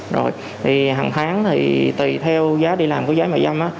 rồi thì hàng tháng thì tùy theo giá đi làm của gái ban dâm